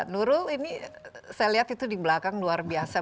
nurul ini saya lihat itu di belakang luar biasa